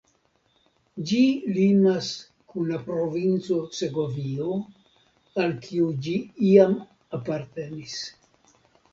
Ĝi limas kun la provinco Segovio al kiu ĝi iam apartenis.